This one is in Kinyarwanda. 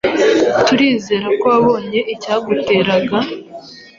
turizerako wabonye icyabiguteraga